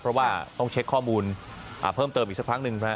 เพราะว่าต้องเช็คข้อมูลเพิ่มเติมอีกสักครั้งหนึ่งนะครับ